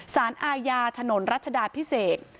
สารอาญาถนนรัชดาพิเศษ